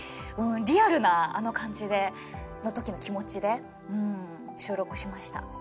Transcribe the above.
リアルなあの感じのときの気持ちでうん収録しました。